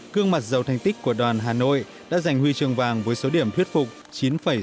cương mặt giàu thành tích của đoàn hà nội đã giành huy chương vàng với số điểm thuyết phục chín sáu mươi sáu